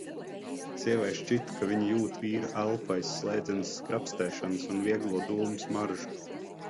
Sievai šķita, ka viņa jūt vīra elpu aiz slēdzenes skrapstēšanas un vieglo dūmu smaržu.